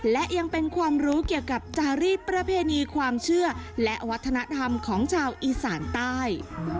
และยังเป็นความรู้เกี่ยวกับจารีสประเพณีความเชื่อและวัฒนธรรมของชาวอีสานใต้